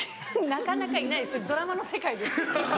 なかなかいないですそれドラマの世界です。